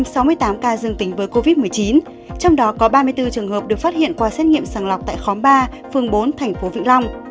sáu mươi tám ca dương tính với covid một mươi chín trong đó có ba mươi bốn trường hợp được phát hiện qua xét nghiệm sàng lọc tại khóm ba phường bốn tp vĩnh long